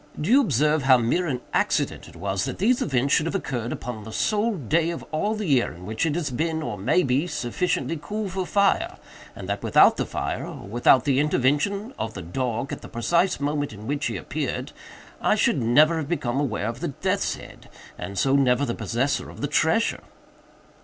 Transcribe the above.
Do you observe how mere an accident it was that these events should have occurred upon the sole day of all the year in which it has been, or may be, sufficiently cool for fire, and that without the fire, or without the intervention of the dog at the precise moment in which he appeared, I should never have become aware of the death's head, and so never the possessor of the treasure?"